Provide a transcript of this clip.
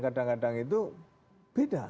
kadang kadang itu beda